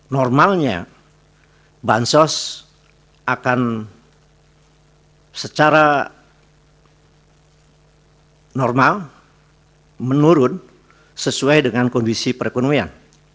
normalnya bansos akan secara normal menurun sesuai dengan kondisi perekonomian